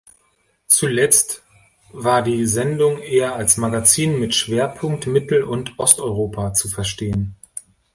Zuletzt war die Sendung eher als Magazin mit Schwerpunkt Mittel- und Osteuropa zu verstehen.